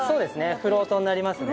フロートになりますね。